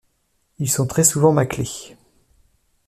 Ils sont très souvent maclés.